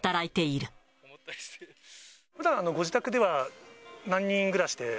ふだん、ご自宅では何人暮らしで？